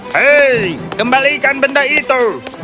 hei kembalikan benda itu